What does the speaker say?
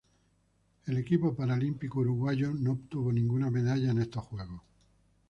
El equipo paralímpico uruguayo no obtuvo ninguna medalla en estos Juegos.